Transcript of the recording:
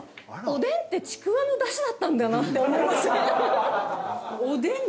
おでんってちくわのダシだったんだなって思いません？